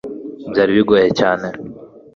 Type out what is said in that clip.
byari bigoye cyane